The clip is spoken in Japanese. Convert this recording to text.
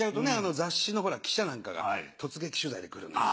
雑誌の記者なんかが突撃取材で来るんですよ。